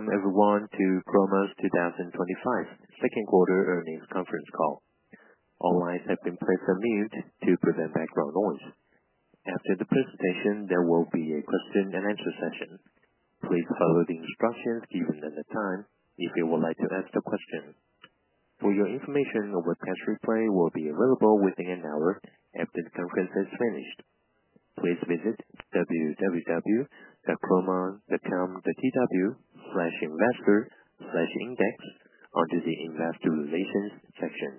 Welcome everyone to Chroma 2025 Second Quarter Earnings Conference Call. All lines have been placed on mute to prevent background noise. After the presentation, there will be a question-and-answer session. Please follow the instructions given at the time if you would like to ask a question. For your information, a webcast replay will be available within an hour after the conference has finished. Please visit www.chroma.com.tw/investor/index under the Investor Relations section.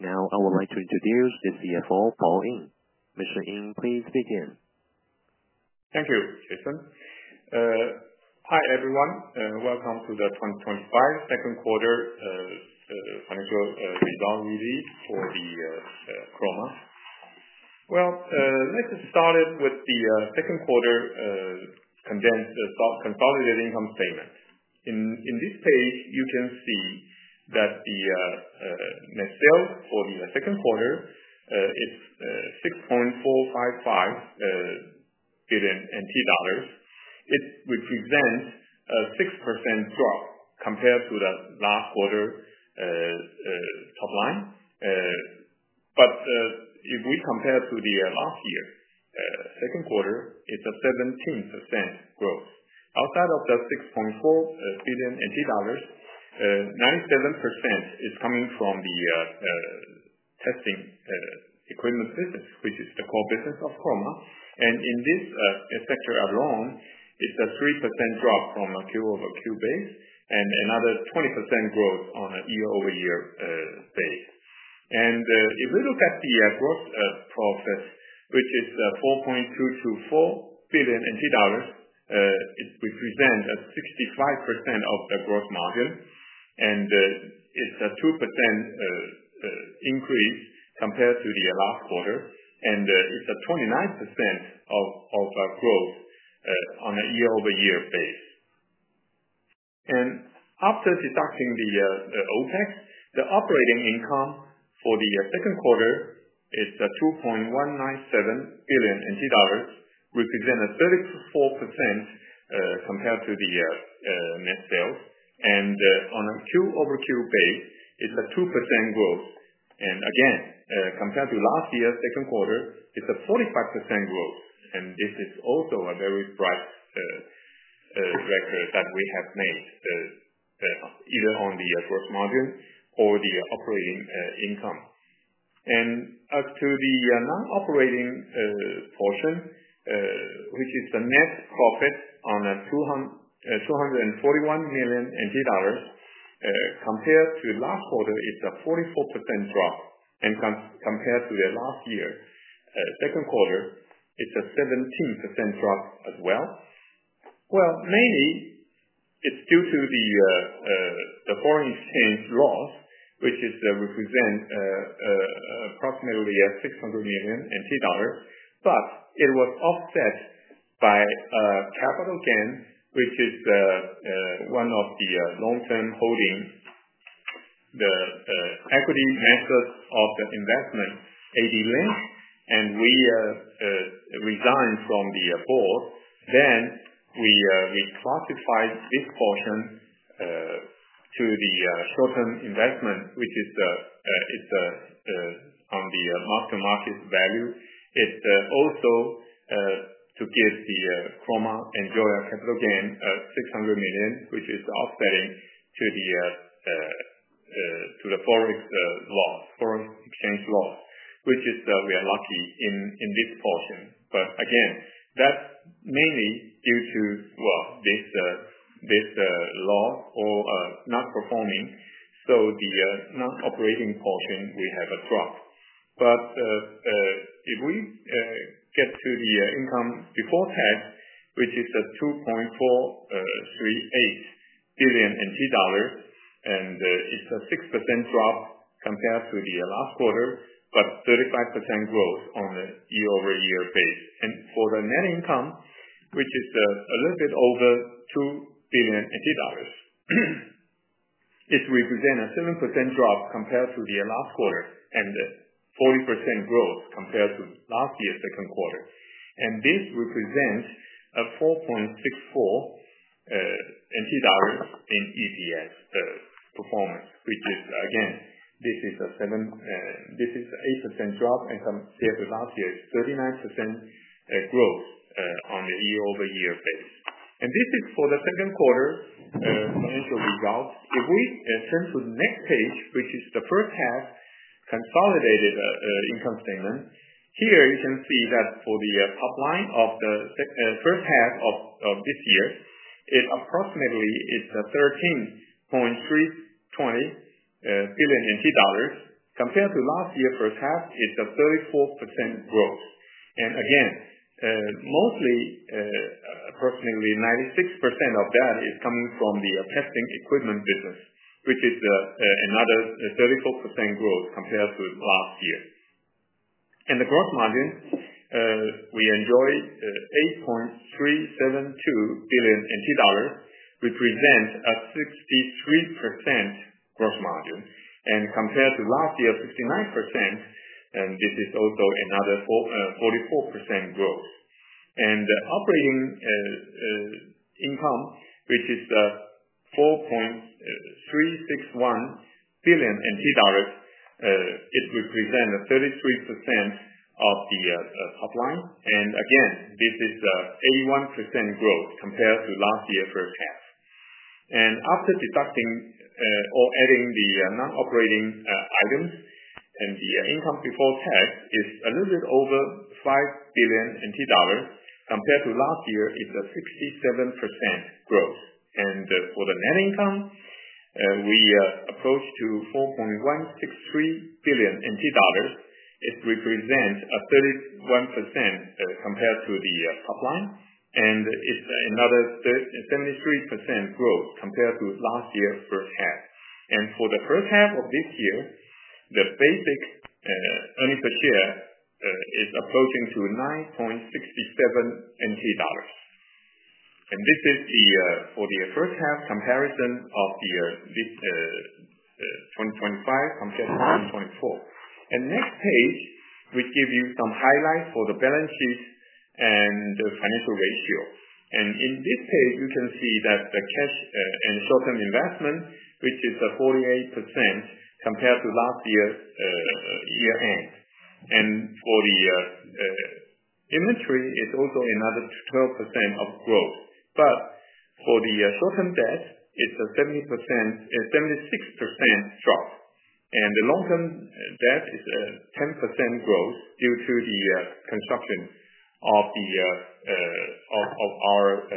Now, I would like to introduce the CFO, Paul Ying. Mr. Ying, please begin. Thank you, Jason. Hi everyone. Welcome to the 2025 second quarter financial result release for Chroma ATE. Let's start with the second quarter consolidated income statement. In this page, you can see that the net sales for the second quarter is TWD 6.455 billion. It represents a 6% drop compared to the last quarter top line. But if we compare to the last year, second quarter, it's a 17% growth. Outside of the 6.4 billion dollars, 97% is coming from the testing equipment business, which is the core business of Chroma ATE. And in this sector alone, it's a 3% drop from a Q-over-Q base, and another 20% growth on a year-over-year base. And if we look at the gross profit, which is 4.224 billion NT dollars, it represents 65% of the gross margin, and it's a 2% increase compared to the last quarter. It's a 29% of growth on a year-over-year basis. After deducting the OpEx, the operating income for the second quarter is 2.197 billion NT dollars, representing 34% compared to the net sales. On a Q-over-Q basis, it's a 2% growth. Again, compared to last year's second quarter, it's a 45% growth. This is also a very bright record that we have made, either on the gross margin or the operating income. As to the non-operating portion, which is the net profit on 241 million dollars, compared to last quarter, it's a 44% drop. Compared to the last year's second quarter, it's a 17% drop as well. Well, mainly, it's due to the foreign exchange loss, which represents approximately 600 million NT dollars. It was offset by capital gain, which is one of the long-term holdings, the equity method of the investment, ADLINK. We resigned from the board. Then we classified this portion to the short-term investment, which is on the after-market value. It's also to give the Chroma and enjoy a capital gain 600 million, which is offsetting to the forex loss, foreign exchange loss, which we are lucky in this portion. But again, that's mainly due to, well, this loss or not performing. So the non-operating portion, we have a drop. But if we get to the income before tax, which is 2.438 billion NT dollars, and it's a 6% drop compared to the last quarter, but 35% growth on a year-over-year basis. For the net income, which is a little bit over 2 billion dollars, it represents a 7% drop compared to the last quarter and 40% growth compared to last year's second quarter. This represents a TWD 4.64 in EPS performance, which is, again, this is an 8% drop compared to last year's 39% growth on the year-over-year base. This is for the second quarter financial results. If we turn to the next page, which is the first half consolidated income statement, here you can see that for the top line of the first half of this year, it approximately is 13.320 billion NT dollars. Compared to last year's first half, it's a 34% growth. Again, mostly, approximately 96% of that is coming from the testing equipment business, which is another 34% growth compared to last year. And the gross margin, we enjoy 8.372 billion NT dollars, represents a 63% gross margin. And compared to last year's 69%, this is also another 44% growth. And the operating income, which is TWD 4.361 billion, it represents 33% of the top line. And again, this is an 81% growth compared to last year's first half. And after deducting or adding the non-operating items and the income before tax, it's a little bit over 5 billion. Compared to last year, it's a 67% growth. And for the net income, we approach to 4.163 billion NT dollars. It represents a 31% compared to the top line. And it's another 73% growth compared to last year's first half. And for the first half of this year, the basic earnings per share is approaching to 9.67 NT dollars. This is for the first half comparison of 2025 compared to 2024. Next page, we give you some highlights for the balance sheet and the financial ratio. In this page, you can see that the cash and short-term investment, which is 48% compared to last year's year-end. For the inventory, it's also another 12% of growth. For the short-term debt, it's a 76% drop. The long-term debt is a 10% growth due to the construction of our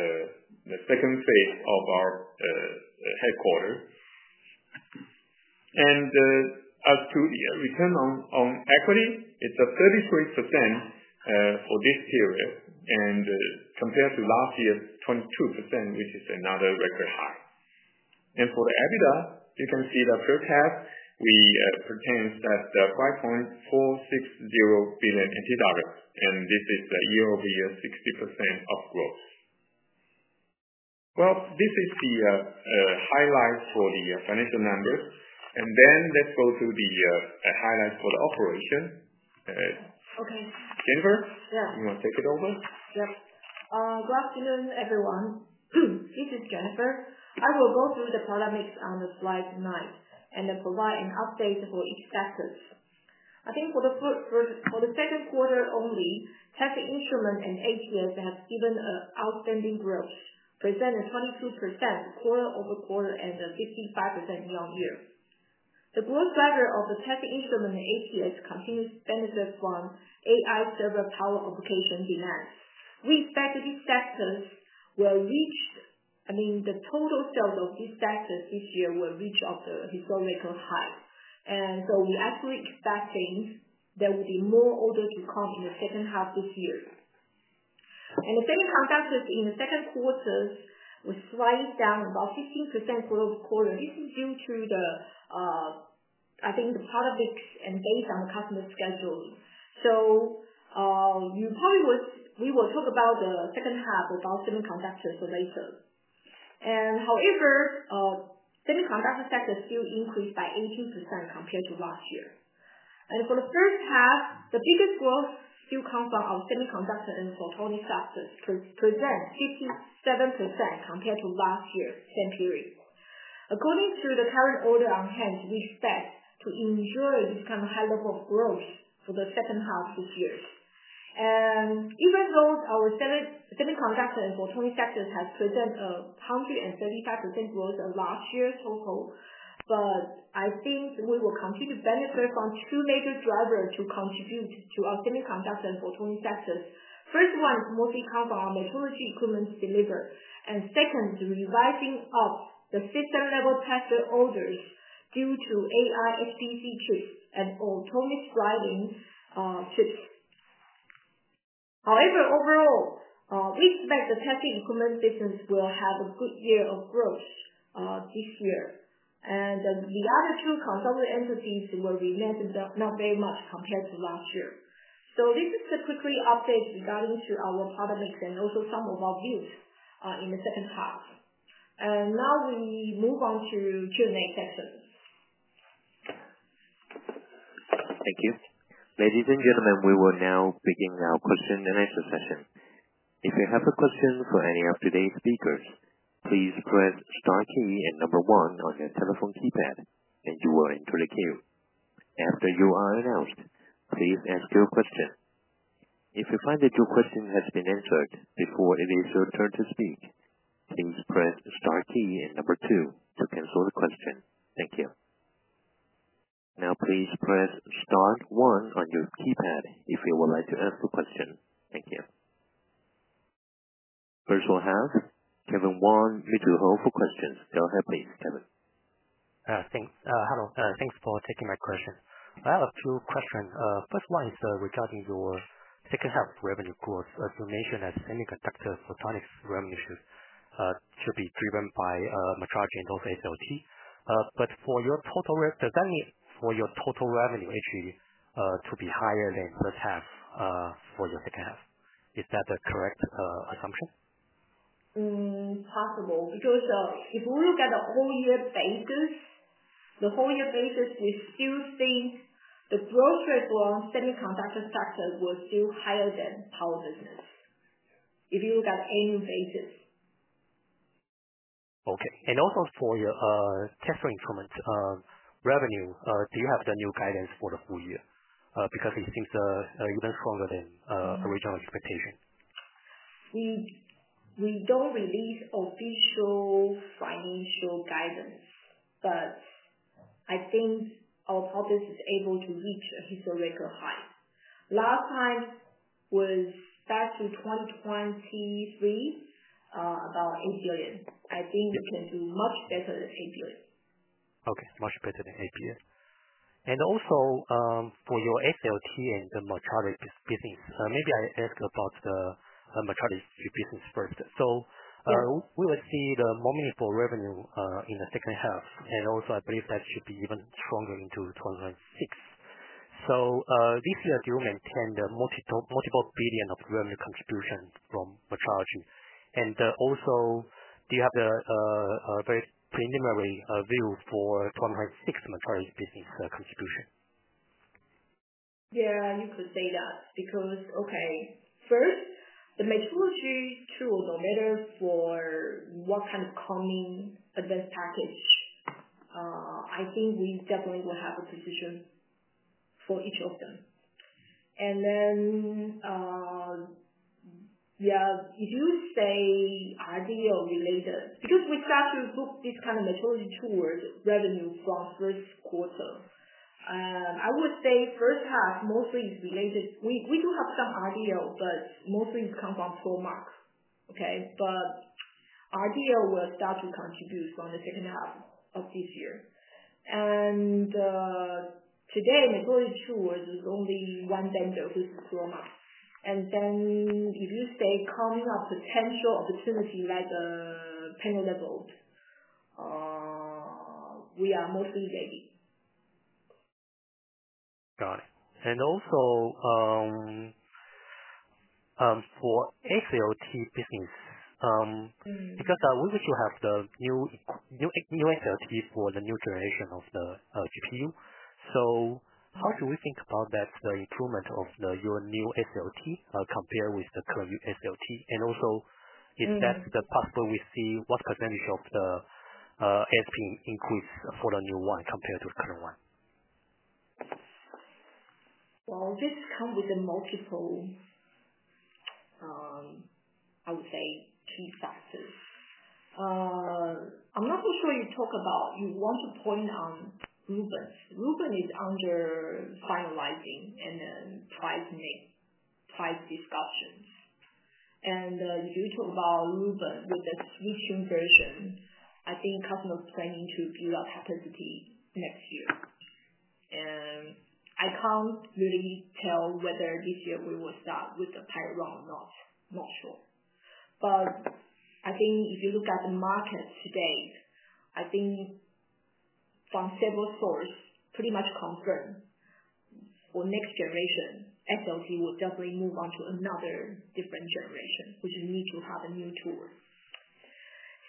second phase of our headquarters. As to the return on equity, it's a 33% for this period compared to last year's 22%, which is another record high. For the EBITDA, you can see the first half, we presented TWD 5.460 billion. This is year-over-year 60% of growth. This is the highlights for the financial numbers. Let's go to the highlights for the operation. Okay. Jennifer, you want to take it over? Yep. Good afternoon, everyone. This is Jennifer. I will go through the product mix on the slide tonight and provide an update for each sector. I think for the second quarter only, testing instruments and ATS have given outstanding growth, presenting a 22% QoQ and a 55% YoY. The growth driver of the testing instrument and ATS continues to benefit from AI server power application demands. We expect these sectors will reach, I mean, the total sales of these sectors this year will reach the historical high, and so we're actually expecting there will be more orders to come in the second half this year, and the semiconductors in the second quarter were slightly down, about 15% QoQ. This is due to, I think, the product mix and based on the customer scheduling. So we will talk about the second half about semiconductors later. However, the semiconductor sector still increased by 18% compared to last year. For the first half, the biggest growth still comes from our semiconductor and photonic sectors, presenting 57% compared to last year, same period. According to the current order on hand, we expect to enjoy this kind of high level of growth for the second half this year. Even though our semiconductor and photonic sectors have presented a 135% growth last year total, but I think we will continue to benefit from two major drivers to contribute to our semiconductor and photonic sectors. First one mostly comes from our metrology equipment delivery. Second, the revising of the system-level tester orders due to AI HPC chips and autonomous driving chips. However, overall, we expect the testing equipment business will have a good year of growth this year. The other two consolidated entities will remain not very much compared to last year. This is the quickly update regarding our product mix and also some of our views in the second half. Now we move on to Q&A section. Thank you. Ladies and gentlemen, we will now begin our question-and-answer session. If you have a question for any of today's speakers, please press star key and number one on your telephone keypad, and you will enter the queue. After you are announced, please ask your question. If you find that your question has been answered before it is your turn to speak, please press star key and number two to cancel the question. Thank you. Now, please press star one on your keypad if you would like to ask a question. Thank you. First, we'll have Kevin Wang, Mizuho, for questions. Go ahead, please, Kevin. Thanks. Hello. Thanks for taking my question. I have a few questions. First one is regarding your second half revenue growth, as you mentioned, as semiconductor photonics revenue should be driven by metrology and also SLT. But for your total revenue, it should be higher than first half for your second half. Is that a correct assumption? Possible. Because if we look at the whole year basis, we still think the gross result semiconductor sector will still higher than power business if you look at annual basis. Okay. And also for your testing instrument revenue, do you have the new guidance for the full year? Because it seems even stronger than original expectation. We don't release official financial guidance, but I think our product is able to reach a historical high. Last time was back to 2023, about TWD 8 billion. I think we can do much better than TWD 8 billion. Okay. Much better than 8 billion. And also, for your SLT and the metrology business, maybe I ask about the metrology business first. So, we will see the more meaningful revenue in the second half. And also, I believe that should be even stronger into 2026. So, this year, do you maintain the multiple billion of revenue contribution from metrology? And also, do you have a very preliminary view for 2026 metrology business contribution? Yeah, you could say that. Because, okay, first, the metrology tool, no matter for what kind of coming advanced package, I think we definitely will have a position for each of them. And then, yeah, if you say RDL related, because we start to book this kind of metrology tool revenue from first quarter, I would say first half mostly is related. We do have some RDL, but mostly it comes from Chroma's. Okay? But RDL will start to contribute from the second half of this year. And to date, metrology tool is only one vendor, which is Chroma's. And then if you say coming up potential opportunity like the panel-level, we are mostly waiting. Got it. And also for SLT business, because we wish you have the new SLT for the new generation of the GPU. So how should we think about that improvement of your new SLT compared with the current SLT? And also, if that's possible, we see what percentage of the ASP increase for the new one compared to the current one? This comes with the multiple, I would say, key factors. I'm not so sure you talk about you want to point on Rubin. Rubin is under finalizing and then price discussions. If you talk about Rubin with the switching version, I think customers are planning to build up capacity next year. I can't really tell whether this year we will start with the pipeline or not. Not sure. If you look at the market today, I think from several sources pretty much confirmed for next generation, SLT will definitely move on to another different generation, which we need to have a new tool.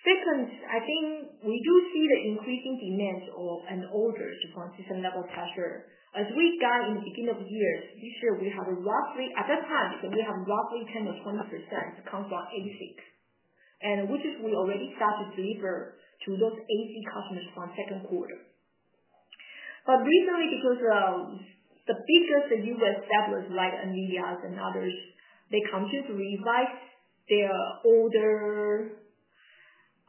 Second, I think we do see the increasing demands and orders from system-level tester. As we got in the beginning of the year, this year, we have roughly at that time, we have roughly 10% or 20% comes from ASIC, which is we already start to deliver to those ASIC customers from second quarter. But recently, because the biggest U.S. customers like NVIDIA and others, they continue to revise their order,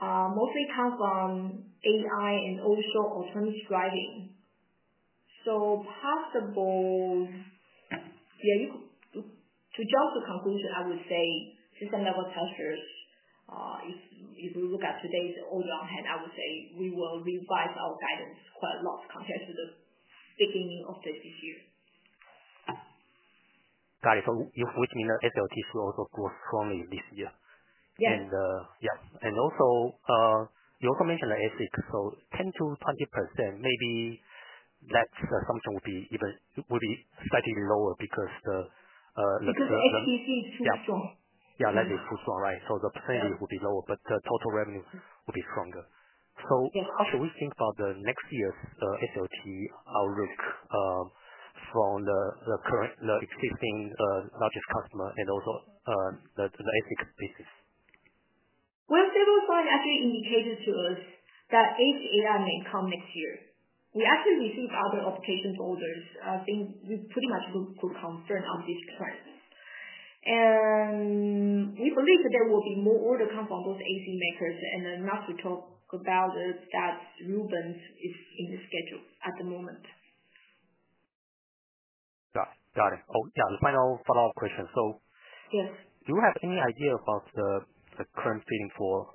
mostly comes from AI and also autonomous driving. So possibly, yeah, to jump to conclusion, I would say system-level testers, if we look at today's order on hand, I would say we will revise our guidance quite a lot compared to the beginning of this year. Got it. So you would mean the SLT should also grow strongly this year. Yes. You also mentioned the ASIC. So, 10%-20%, maybe that assumption would be slightly lower because the. Because the HPC is too strong. Yeah. Yeah. Likely too strong, right? So the percentage would be lower, but the total revenue would be stronger. So how should we think about the next year's SLT outlook from the existing largest customer and also the ASIC business? Several signs actually indicated to us that Edge AI may come next year. We actually received other application orders. I think we pretty much could confirm on this current. We believe that there will be more order coming from those ASIC makers. Enough to talk about that Rubin is in the schedule at the moment. Got it. Got it. Oh, yeah. The final follow-up question. So do you have any idea about the current fitting for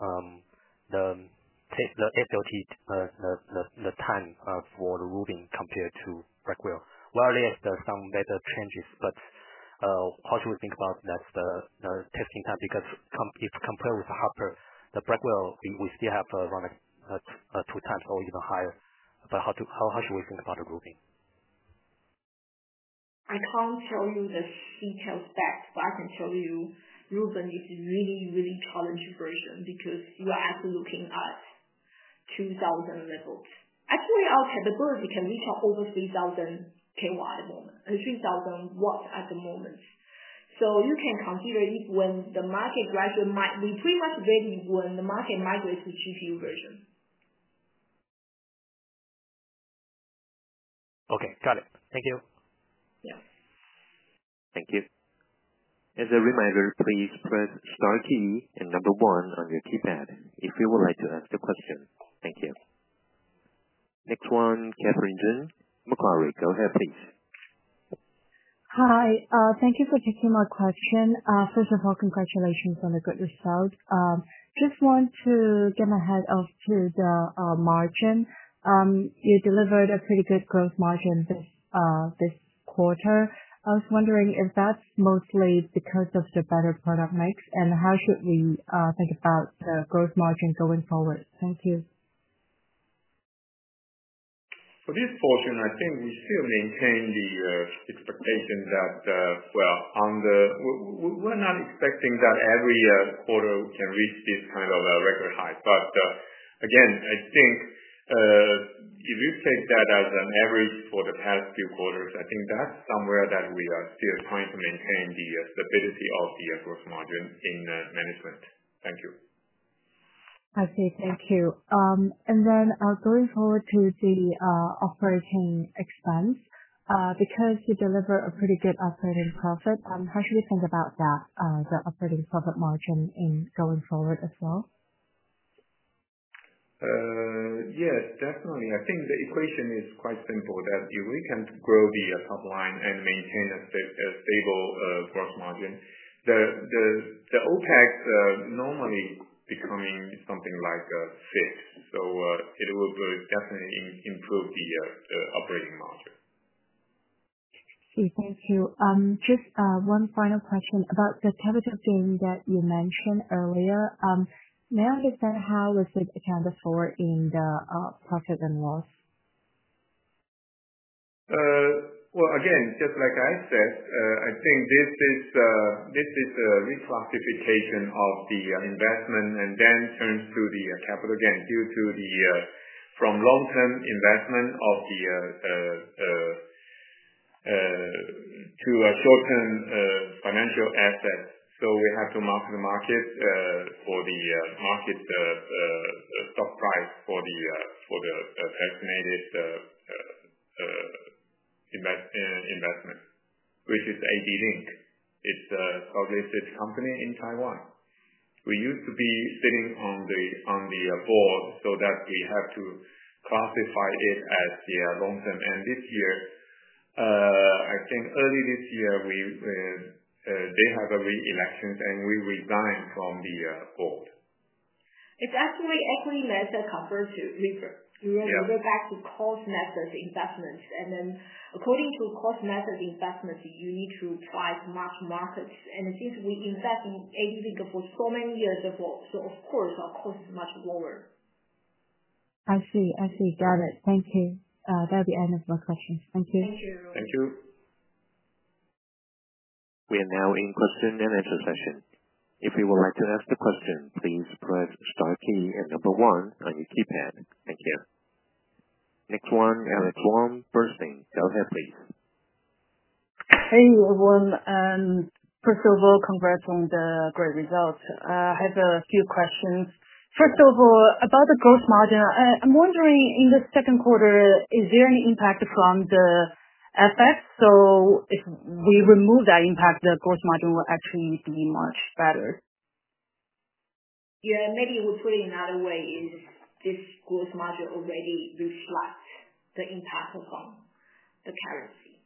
the SLT, the time for the Rubin compared to Blackwell? Well, there are some better changes, but how should we think about that testing time? Because if compared with the Hopper, the Blackwell, we still have around two times or even higher. But how should we think about the Rubin? I can't tell you the details back, but I can tell you Rubin is a really, really challenging version because you are actually looking at 2,000 levels. Actually, our capability can reach over 3,000 kW at the moment, 3,000 watts at the moment. So you can consider when the market gradually might be pretty much ready when the market migrates to GPU version. Okay. Got it. Thank you. Yeah. Thank you. As a reminder, please press star key and number one on your keypad if you would like to ask a question. Thank you. Next one, [Yi-Jen Lai], Macquarie. Go ahead, please. Hi. Thank you for taking my question. First of all, congratulations on the good result. Just want to get ahead of the margin. You delivered a pretty good gross margin this quarter. I was wondering if that's mostly because of the better product mix, and how should we think about the gross margin going forward? Thank you. For this portion, I think we still maintain the expectation that, well, we're not expecting that every quarter we can reach this kind of record high. But again, I think if you take that as an average for the past few quarters, I think that's somewhere that we are still trying to maintain the stability of the gross margin in management. Thank you. I see. Thank you. And then going forward to the operating expense, because you deliver a pretty good operating profit, how should we think about that, the operating profit margin in going forward as well? Yes, definitely. I think the equation is quite simple that if we can grow the top line and maintain a stable gross margin, the OpEx normally becoming something like a fifth, so it will definitely improve the operating margin. I see. Thank you. Just one final question about the capital gain that you mentioned earlier. May I understand how was it accounted for in the profit and loss? Again, just like I said, I think this is a reclassification of the investment and then turns to the capital gain due to the transfer from long-term investment to a short-term financial asset. So we have to mark to market the stock price for the designated investment, which is ADLINK. It's a public company in Taiwan. We used to be sitting on the board so that we have to classify it as long-term. This year, I think early this year, they have a re-election, and we resigned from the board. It's actually equity method to cost method. You go back to cost method investments. And then according to cost method investments, you need to try to match markets. And since we invest in ADLINK for so many years before, so of course, our cost is much lower. I see. I see. Got it. Thank you. That'll be the end of my questions. Thank you. Thank you. We are now in question-and-answer session. If you would like to ask a question, please press star key and number one on your keypad. Thank you. Next one, Alex Wang Bernstein. Go ahead, please. Hey, everyone. First of all, congrats on the great results. I have a few questions. First of all, about the gross margin, I'm wondering in the second quarter, is there any impact from the FX? So if we remove that impact, the gross margin will actually be much better. Yeah. Maybe we'll put it another way, is this Gross Margin already reflects the impact from the currency.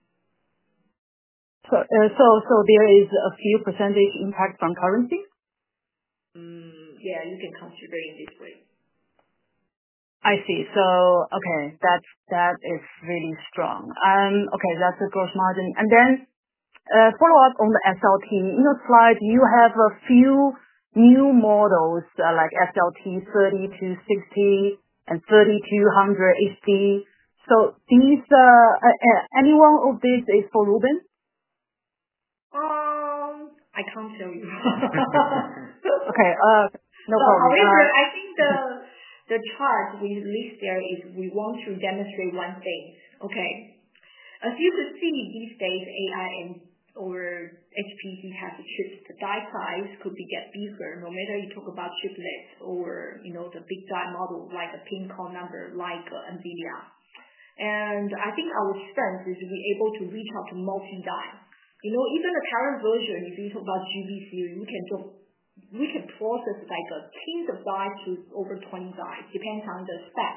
So there is a few percentage impact from currency? Yeah. You can consider it this way. I see. So okay. That is really strong. Okay. That's the gross margin. And then follow-up on the SLT. In your slide, you have a few new models like SLT 30-60 and 30-100 HD. So any one of these is for Rubin? I can't tell you. Okay. No problem. I think the chart we list there is we want to demonstrate one thing. Okay. As you could see these days, AI and/or HPC has a chip. The die size could get bigger no matter you talk about chiplets or the big die model like a pin count number like NVIDIA, and I think our strength is we're able to reach out to multi-die. Even the current version, if you talk about GB series, we can process like a kind of die to over 20 die, depends on the spec,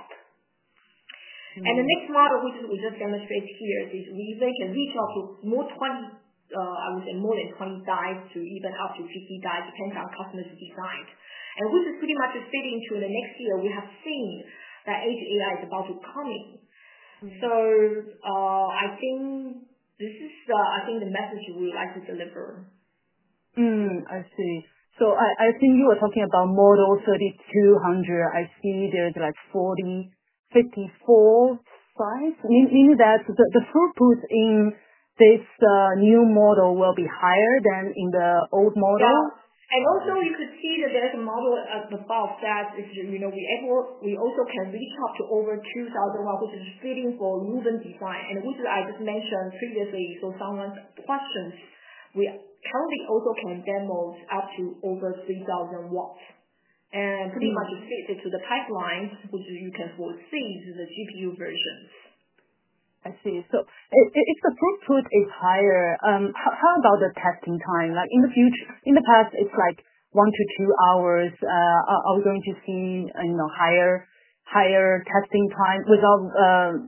and the next model we just demonstrate here is we can reach out to more 20, I would say more than 20 dies to even up to 50 dies depends on customer's design, and which is pretty much fitting to the next year. We have seen that Edge AI is about to come. So I think this is, I think, the message we would like to deliver. I see. So I think you were talking about model 30 to 100. I see there's like 40, 54, five. Meaning that the throughput in this new model will be higher than in the old model. Yeah. And also you could see that there's a model above that is we also can reach out to over 2,000 watts, which is fitting for Rubin design. And which I just mentioned previously. So someone questions, we currently also can demo up to over 3,000 watts and pretty much fit it to the pipeline, which you can foresee the GPU versions. I see. So if the throughput is higher, how about the testing time? In the past, it's like one to two hours. Are we going to see higher testing time without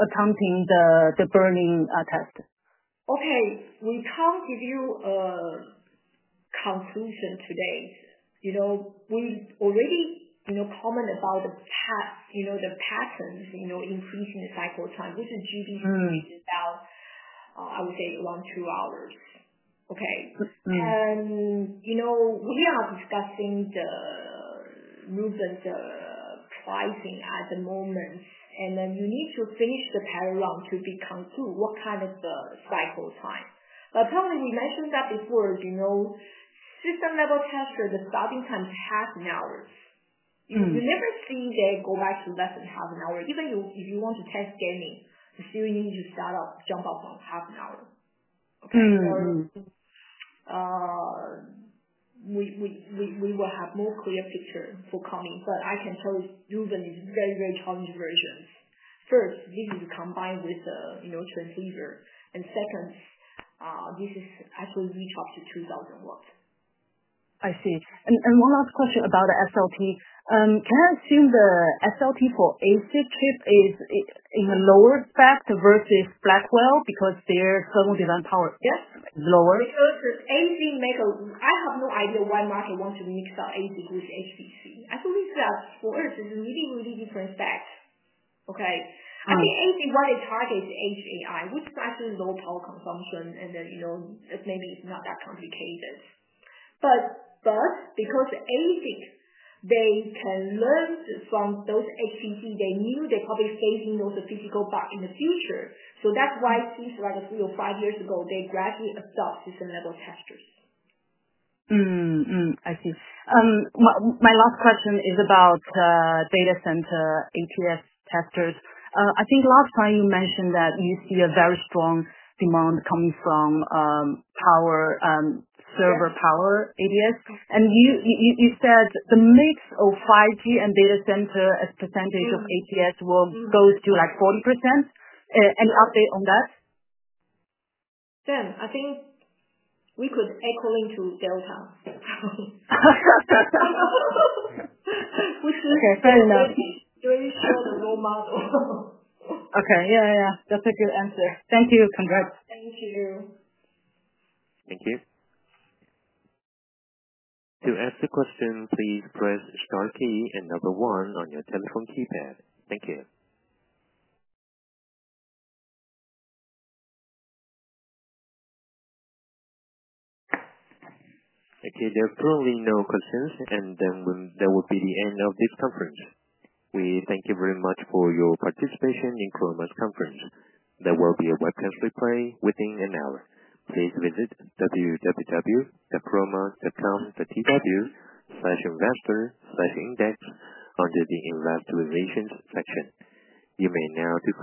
accounting the burning test? Okay. We can't give you a conclusion today. We already comment about the patterns increasing the cycle time, which is GB series is about, I would say, one to two hours. Okay. And we are discussing the Rubin's pricing at the moment. And then you need to finish the parallel to be conclude what kind of cycle time. But probably we mentioned that before, system-level tester, the starting time's half an hour. You never see they go back to less than half an hour. Even if you want to test gaming, you still need to start off, jump off on half an hour. Okay. So we will have more clear picture for coming. But I can tell you Rubin is very, very challenging versions. First, this is combined with the transceiver. And second, this is actually reach up to 2,000 watts. I see. And one last question about the SLT. Can I assume the SLT for ASIC chip is in a lower spec versus Blackwell because their thermal design power is lower? Yes. Because ASIC, I have no idea why market wants to mix up ASIC with HPC. I believe that for us, it's really, really different spec. Okay. I think ASIC, what they target is HAI, which is actually low power consumption. And then maybe it's not that complicated. But because ASIC, they can learn from those HPC, they knew they're probably facing those physical bugs in the future. So that's why it seems like three or five years ago, they gradually adopt system-level testers. I see. My last question is about data center ATS testers. I think last time you mentioned that you see a very strong demand coming from power server ATS. And you said the mix of 5G and data center as percentage of ATS will go to like 40%. Any update on that? Then I think we could echo into Delta. Okay. Fair enough. Sort of role model. Okay. Yeah, yeah, yeah. That's a good answer. Thank you. Congrats. Thank you. Thank you. To ask a question, please press star key and number one on your telephone keypad. Thank you. Okay. There are currently no questions, and then there will be the end of this conference. We thank you very much for your participation in Chroma's conference. There will be a webcast replay within an hour. Please visit www.chroma.com.tw/investor/index under the investor relations section. You may now to.